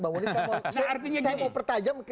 saya mau pertajam langsung